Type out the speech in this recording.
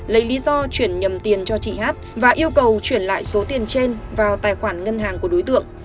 lấy lý do chuyển nhầm tiền cho chị hát và yêu cầu chuyển lại số tiền trên vào tài khoản ngân hàng của đối tượng